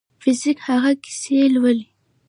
فزیک هغه کیسې لولي.